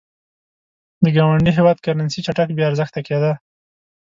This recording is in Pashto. د ګاونډي هېواد کرنسي چټک بې ارزښته کېده.